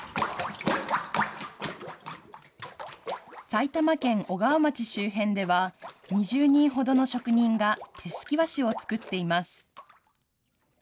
埼玉県小川町周辺では、２０人ほどの職人が、手すき和紙を作っています。